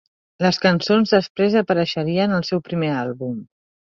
Les cançons després apareixerien al seu primer àlbum.